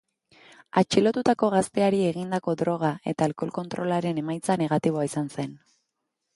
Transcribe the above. Atxilotutako gazteari egindako droga eta alkohol kontrolaren emaitza negatiboa izan zen.